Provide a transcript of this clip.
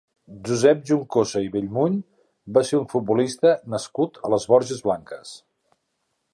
Josep Juncosa i Bellmunt va ser un futbolista nascut a les Borges Blanques.